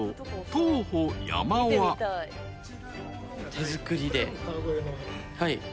手作りで。